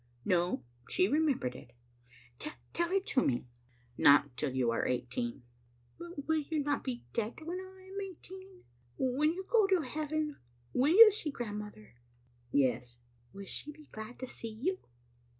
"No, she remembered it" "Tell it to me." " Not till you are eighteen." "But will you not be dead when I am eighteen? When you go to Heaven, will you see grandmother?" "Yes," " Will she be glad to see you?"